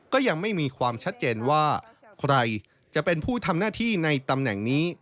ก็ยังไม่มีความชัดเจนว่าใครจะเป็นผู้ทำหน้าที่ในตำแหน่งนี้